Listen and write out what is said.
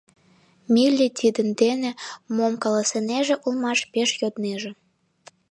Милли тидын дене мом каласынеже улмаш — пеш йоднеже.